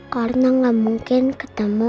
karena gak mungkin ketemu